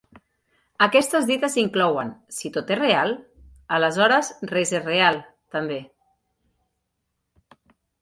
Aquestes dites inclouen: Si tot és real... aleshores res és real, també.